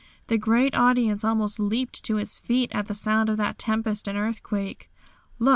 The great audience almost leaped to its feet at the sound of that tempest and earthquake. Look!